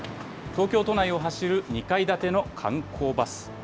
東京都内を走る２階建ての観光バス。